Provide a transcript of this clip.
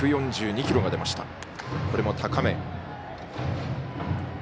１４２キロが出ました。